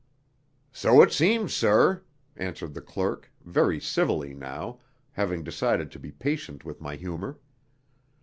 "So it seems, sir," answered the clerk, very civilly now, having decided to be patient with my humour.